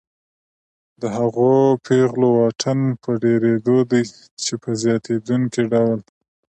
د هغو پیغلو واټن په ډېرېدو دی چې په زیاتېدونکي ډول